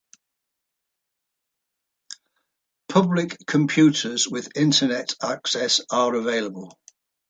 Public computers with Internet access are available.